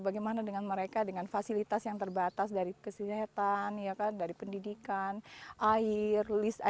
bagaimana dengan mereka dengan fasilitas yang terbatas dari kesehatan dari pendidikan air list